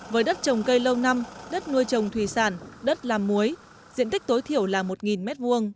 với đất trồng cây lâu năm đất nuôi trồng thủy sản đất làm muối diện tích tối thiểu là một m hai